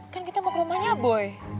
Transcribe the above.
kan kita mau ke rumahnya boy